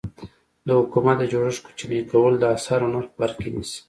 د حکومت د جوړښت کوچني کول د اسعارو نرخ بر کې نیسي.